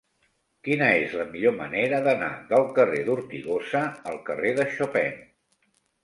Quina és la millor manera d'anar del carrer d'Ortigosa al carrer de Chopin?